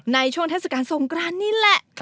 ในช่วงทัศนสการทรงกรรณ์นี้แหละ